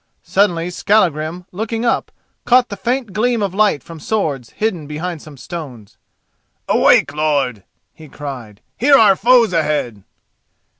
Suddenly, Skallagrim, looking up, caught the faint gleam of light from swords hidden behind some stones. "Awake, lord!" he cried, "here are foes ahead."